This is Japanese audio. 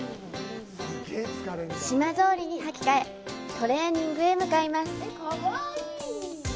島ぞうりに履きかえトレーニングへ向かいます。